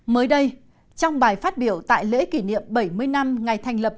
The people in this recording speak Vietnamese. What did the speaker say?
mới đây trong bài phát biểu tại lễ kỷ niệm bảy mươi năm ngày thành lập